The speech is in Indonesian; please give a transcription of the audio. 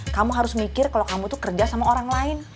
kamu harus mikir kalau kamu tuh kerja sama orang lain